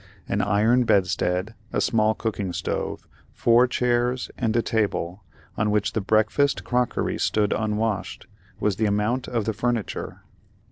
An iron bedstead, a small cooking stove, four chairs, and a table, on which the breakfast crockery stood unwashed, was the amount of the furniture.